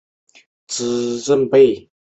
透过网站公布优良厂商名单